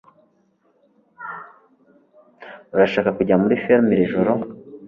Urashaka kujya muri firime iri joro?